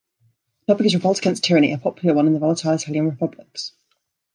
The topic is revolt against tyranny, a popular one in the volatile Italian republics.